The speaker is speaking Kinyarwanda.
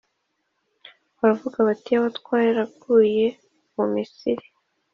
Baravuga bati “iyaba twaraguye mu Misiri”